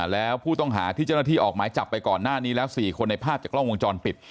แล้วผู้ต้องหาที่เจ้าหน้าที่ออกหมายจับไปก่อนหน้านี้แล้ว๔คนในภาพจากกล้องวงจรปิด